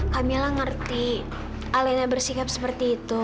kamilah ngerti alena bersikap seperti itu